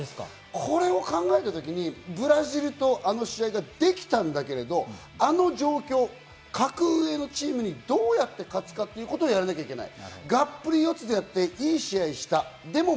これを考えたときにブラジルとあの試合ができたんだけれど、あの状況、格上のチームにどうやって勝つかということをやらなきゃいけない。